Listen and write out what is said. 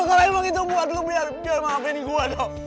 kalau emang itu buat lo biar maafin gue dok